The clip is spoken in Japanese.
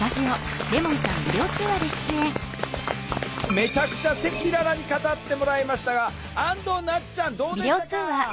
めちゃくちゃ赤裸々に語ってもらいましたが安藤なつちゃんどうでしたか？